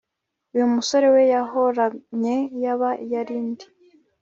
uyu musore se wahoranye yaba ari nde